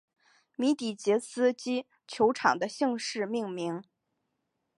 米底捷斯基球场的姓氏命名。